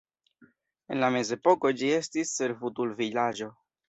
En la mezepoko ĝi estis servutulvilaĝo.